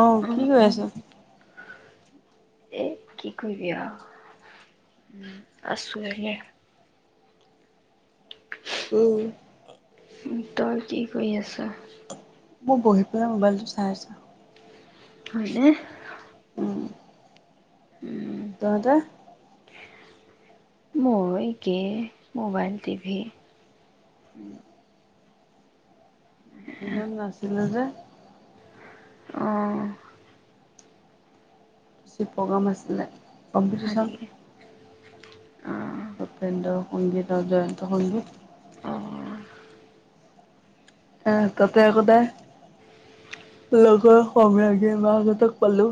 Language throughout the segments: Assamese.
অঁ কি অ', কৰি আছ? এ কি কৰিবি আৰু, উম। [inaudible] [unintelligible] উম। তই কি কৰি আছ? মই বহি পিনাই মোবাইলটো চাই আছো। হয়নে? উম উম তহঁতে মই একে মোবাইল টিভি উম সেইজন নাছিলে যে অ', প্ৰগ্ৰাম আছিলে হয় কম্পিটিশ্যন নেকি? অ', ভূপেন্দ্ৰ সংগীনৰ জয়ন্ত সংগীত। অ', এ তাতে [inaudible] [unintelligible]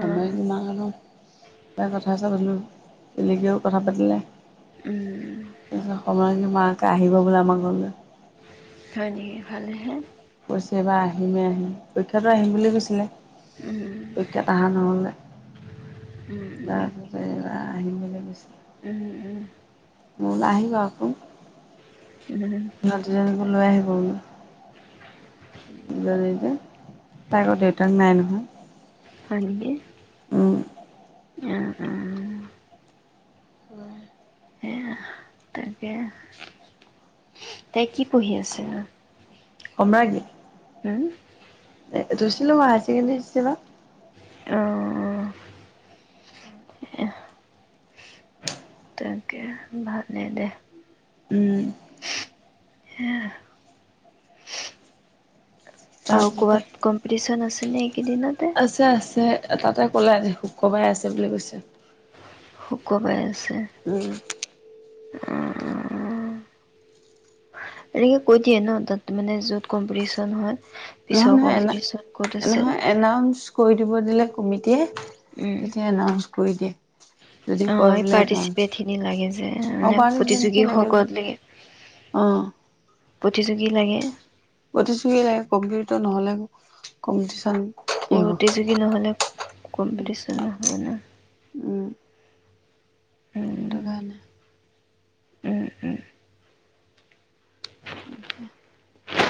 অ', উম। [unintelligible] হয় নেকি ভালে হে, কৈছে এইবাৰ আহিমেই আহিম পৰীক্ষা আহিম বুলি কৈছিলে, উম, পৰীক্ষাত অহা নহ'ল, উম, উম। তাৰপিছত এইবাৰ আহিম বুলি কৈছিলে উম, উম, মই বোলো আহিবা আক। উম লৈ আহিব বোলো [inaudible] তাইৰ আক দেউতাক নাই নহয়। হয় নেকি? উম! অ', অ', উম! সেয়া। তাকে তাই কি পঢ়ি আছে। সম্ৰাগী হম [unintelligible] অ', তাকে ভালে দে উম সেয়া। আৰু তাৰপিছতে কৰবাত কম্পিটিচন আছেনে এইকেইদিনতে আছে আছে তাতে ক'লে আজি শুক্ৰবাৰে আছে বুলি কৈছে শুক্ৰবাৰে উম উ উ উ এনেকে কৈ দিয়ে ন তাত মানে য'ত কম্পিটিচন হয় পিছৰ নহয় নহয় কম্পিটিশ্যন ক'ত এনা আছে নহয় এনাউন্চ কৰি দিব দিলে কমি টিয়ে, উম তেতিয়া এনাউন্চ কৰি দিয়ে, যদি অ কই এই বোলে। পাৰ্টিচিপেট খিনি লাগে যে অ মানে বাৰু [unintelligible] প্ৰতিযোগীসকল লগে। লাগে অ'। প্ৰতিযোগী লাগে। প্ৰতিযোগী লাগে কম্পিউত নহলে কম্পিটিচন প্ৰতিযোগী নহ'লে উম কম্পিটিচ নহ'ব ন'। উম সেইটো উম কাৰণে। উম, উম,।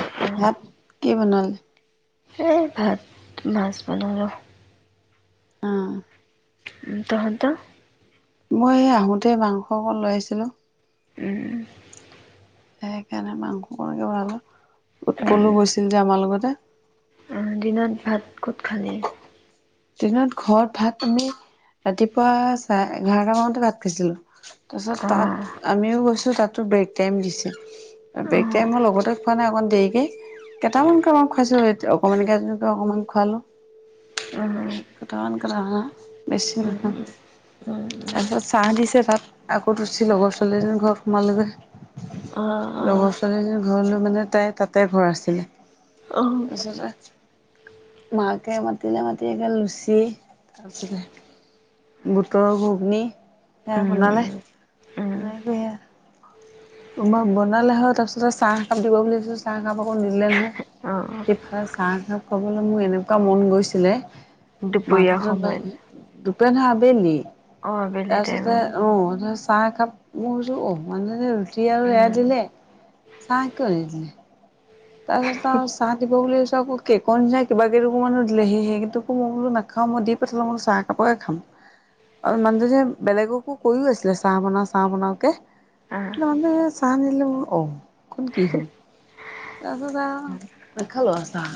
উম। ভাত কি বনালে? এই ভাত, মাছ বনোলো। অ। উ, তহন্তৰ? মই আহোতে মাংস অকন লৈ আহিছিলো। উম। সেইকাৰণে মাংস কনকে ভনালো। উৎপলো গৈছিল যে আমাৰ লগতে। অহ দিনত ভাত ক'ত খালি? দিনত ঘৰত ভাত পানী, ৰাতিপুৱা চাৰে এঘাৰটা মানতে ভাত খাইছিলো। তাৰপিছত অ তাত আমিও গৈছোঁ তাত ব্ৰেক টাইম দিছে। ব্ৰেক টাইমৰ লগতে খোৱা নে অকণ দেৰিকে কতেমান কেতেমাক খুৱাইছো, এতিয়া অকমানকে এজনীক অকমান খুৱালো। কেইটামান, কেইটামান হা বেছি নাসাও, তাৰপিছত চাহ দিছে, তাত আকৌ ৰুচী লগৰ ছোৱালী এজনীৰ ঘৰত সোমালোগৈ। অ', অ। ছোৱালীজন ঘৰলৈ, মানে তাই তাতে ঘৰ আছিলে। তাৰপিছতে মাকে মাতিলে, মাতি মাটি একে লুচি, তাৰ পিছতে বুটৰ ঘুগুনি। সেইয়া বনালে এনেকৈ সেয়া উম্মা বনালে হয়। তাৰ পিছতে চাহ একাপ দিব বুলিছোঁ চাহ একাপ আকৌ নিদিলে নহয়। সেইফালে চাহ একাপ খাবলৈ মোৰ এনেকুৱা মন গৈছিলে। মাথাটো বাই সময়ত দুপ পেনহা বেলী অ আবেলি তাৰিছতে টাইমত অ', ত চাহ একাপ ম ভাবিছোঁ অহ, মানুহ জনীয়ে টি আৰু এয়া উম দিলে। চাহ কিয় নিদিলে? তাৰপাছত আৰু চাহ দিব বুলি কেকৰ নিচিনা কিবা কিটোকুৰা মনো দিলেহি। সেই কেইটুকুৰ মই বোলো নাখাওঁ মই দি পঠালোঁ। মই বোলো চাহ একাপোকে খাম। আৰু মানুহজীয়ে বেলেগকো কৈও আছিলে চাহ বনা, চাহ বনাওকে। আহ মানুহ চাহ নিদিলে মোৰ অ', এইখন কি হল। তাৰপিছত আৰু নাখালো আৰু চাহ।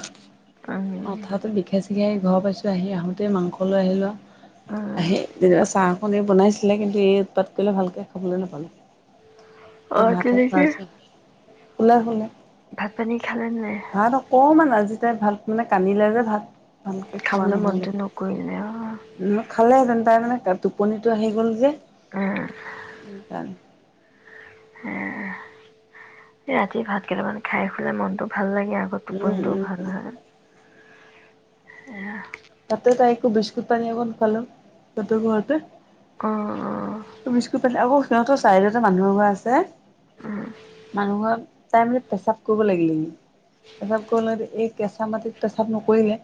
উম মাথাটো বিষাই চিখাই আহি ঘৰ পাইছোঁ। আহি আহোঁতেই মাংস লৈ আহিলো আৰু। উম আহি তেতিয়া চাহ অকনে বনাইছিলে, কিন্তু এই উৎপাত কৰিলে ভালকৈ খাবলৈ নাপালো। অ ভাত হে তেনেকে খুৱাইছে। শুলে শুলে। ভাত পানী খালে নাই ভাত অকমান আজি ভাত মানে কানিলে যে ভাত ভালকে খোৱা খাবলৈ নহলে। মনটো নকৰিলে অ নহয় খালে হতেন তাই মানে টোপনিটো আহি গ'ল যে, আহ উম হ ৰাতি ভাত কেইটামান খাই খুলাই মনতটো ভাল লাগে ই আগত পটোও উম ভাল হয় এ! তাতে তাই একো বিস্কুট পানী অকণ খালো তাতে ঘৰতে, অ অ তুমিছকো পত আ! সিহঁতৰ চাৰিদটা মানুহৰ ঘৰ আছে উম মানুহ ঘৰত টাইম পেচাব কৰিব লাগিলে পেচাব কৰিব লে এই কেঁচা মাটিত পেচাব নকৰিলে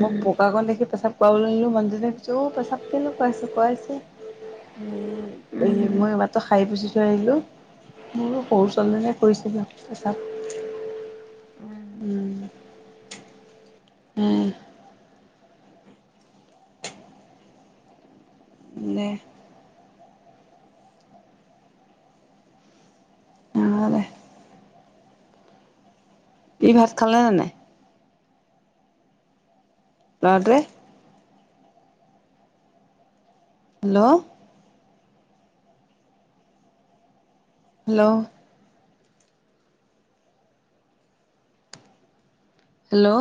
মোক, পকাাকণ দেখি পেচাব কৰাবলৈ নিলোঁ মানুহজনে কৈছ অ' পেচাব কেনেকুৱাইছোঁ কুৱাইছে এই উম উম এই মই ইবাতো খাইি বুচি থৈ আহিলোঁ মোৰ সৰু ছোৱালীজনীয়ে কৰিছিলোঁ পেচাব। উম! উম! উ! [unintelligible] ই ভাত খালে নানাই! লৰাটোৱে! Hello, hello, hello,